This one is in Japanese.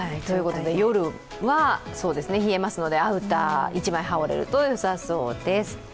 夜は冷えますので、アウター、１枚羽織れるとよさそうです。